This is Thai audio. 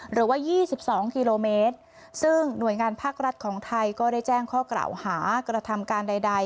หรือว่า๒๒กิโลเมตรซึ่งหน่วยงานภาครัฐของไทยก็ได้แจ้งข้อกล่าวหากระทำการใด